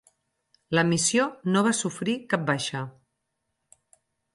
La missió no va sofrir cap baixa.